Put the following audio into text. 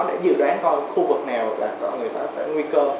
để dự đoán không khu vực nào là người ta sẽ nguy cơ